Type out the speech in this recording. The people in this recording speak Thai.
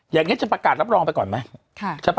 อย่างนี้จะประกาศรับรองไปก่อนไหม